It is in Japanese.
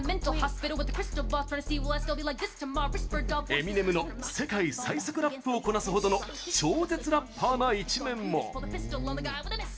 エミネムの世界最速ラップをこなすほどの超絶ラッパーな一面も。